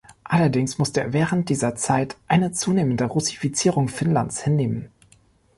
Allerdings musste er während dieser Zeit eine zunehmende Russifizierung Finnlands hinnehmen.